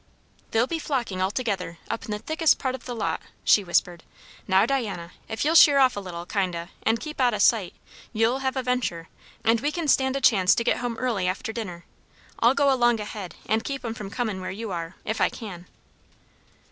"They'll be all flocking together, up in the thickest part of the lot," she whispered. "Now, Diana, if you'll sheer off a little, kind o', and keep out o' sight, you'll have a ventur'; and we can stand a chance to get home early after dinner. I'll go along ahead and keep 'em from comin' where you are if I can."